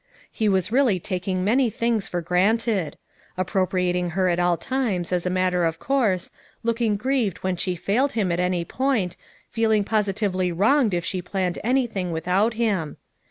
He was really taking many things for granted; ap propriating her at all times as a matter of course; looking grieved when she failed him at any point, feeling positively wronged if she planned anything without him.